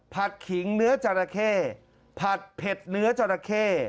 ขิงเนื้อจราเข้ผัดเผ็ดเนื้อจราเข้